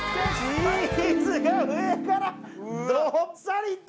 チーズが上からどっさりと。